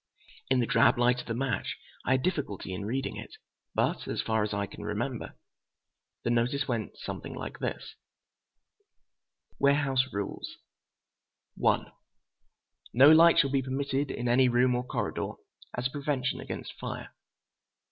In the drab light of the match I had difficulty in reading it—but, as far as I can remember, the notice went something like this: WAREHOUSE RULES No light shall be permitted in any room or corridor, as a prevention against fire.